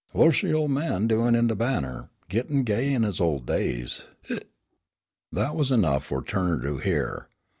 "Wha'sh de ol' man doin' at de 'Banner,' gittin' gay in his ol' days? Hic." That was enough for Turner to hear.